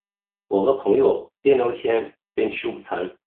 我和朋友边聊天边吃午餐